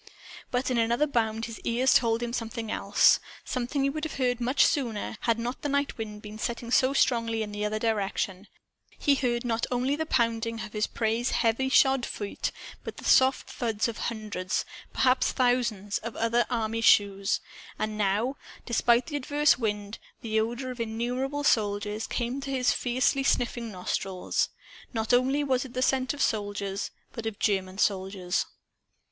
But in another bound his ears told him something else something he would have heard much sooner, had not the night wind been setting so strongly in the other direction. He heard not only the pounding of his prey's heavy shod feet, but the soft thud of hundreds perhaps thousands of other army shoes. And now, despite the adverse wind, the odor of innumerable soldiers came to his fiercely sniffing nostrils. Not only was it the scent of soldiers, but of German soldiers.